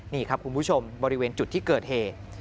นี่ครับคุณผู้ชมบริเวณจุดที่เกิดเหตุ